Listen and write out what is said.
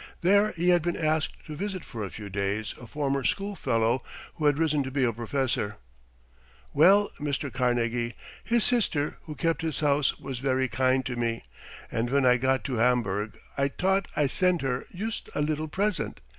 There he had been asked to visit for a few days a former schoolfellow, who had risen to be a professor: "Well, Mr. Carnegie, his sister who kept his house was very kind to me, and ven I got to Hamburg I tought I sent her yust a little present.